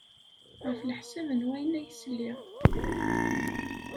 Ɣef leḥsab n wayen ay sliɣ.